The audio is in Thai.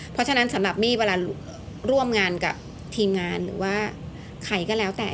เพราะฉะนั้นสำหรับมี่เวลาร่วมงานกับทีมงานหรือว่าใครก็แล้วแต่